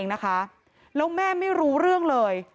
แล้วแม่ไม่รู้เรื่องเลย